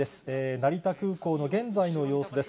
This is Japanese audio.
成田空港の現在の様子です。